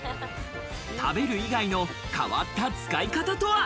食べる以外の変わった使い方とは？